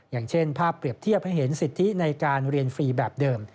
อย่างเช่นภาพเปรียบเทียบให้เห็นสิทธิในการเรียนฟรีแบบเดิม